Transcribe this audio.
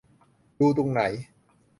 ดูตรงไหน ?